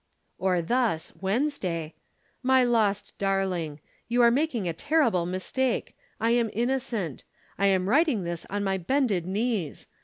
"Or thus. (Wednesday.) 'My lost darling. You are making a terrible mistake. I am innocent. I am writing this on my bended knees.